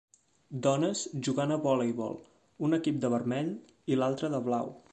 Dones jugant a voleibol, un equip de vermell i l'altre de blau.